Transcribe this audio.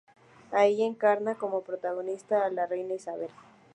En ella encarna, como protagonista, a la Reina Isabel.